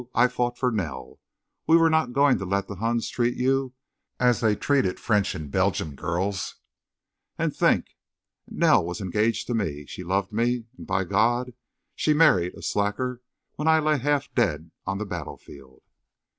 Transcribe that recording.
I fought for Nell.... We were not going to let the Huns treat you as they treated French and Belgian girls.... And think! Nell was engaged to me—she loved me—and, by God! She married a slacker when I lay half dead on the battlefield!"